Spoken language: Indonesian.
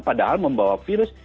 padahal membawa virus